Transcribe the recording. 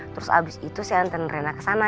terus abis itu saya hantar rena ke sana